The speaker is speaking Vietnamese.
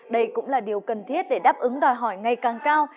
đây cũng là điều cần thiết để đáp ứng đòi hỏi ngày càng cao